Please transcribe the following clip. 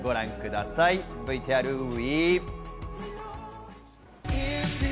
ＶＴＲＷＥ！